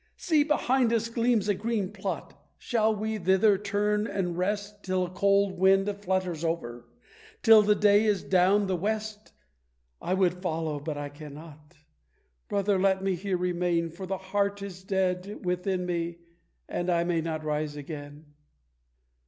See, behind us gleams a green plot, shall we thither turn and rest Till a cold wind flutters over, till the day is down the west? I would follow, but I cannot! Brother, let me here remain, For the heart is dead within me, and I may not rise again."